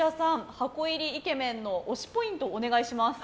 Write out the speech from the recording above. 箱入りイケメンの推しポイントをお願いします。